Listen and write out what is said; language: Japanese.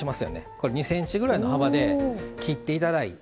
これ２ｃｍぐらいの幅で切っていただいて。